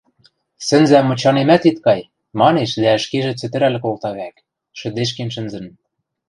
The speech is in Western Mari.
Сӹнзӓ мычанемӓт ит кай!» – манеш дӓ ӹшкежӹ цӹтӹрӓл колта вӓк, шӹдешкен шӹнзӹн.